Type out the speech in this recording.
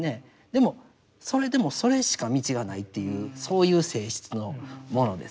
でもそれでもそれしか道がないというそういう性質のものですよね。